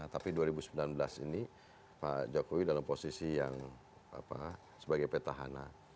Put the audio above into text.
tapi dua ribu sembilan belas ini pak jokowi dalam posisi yang sebagai petahana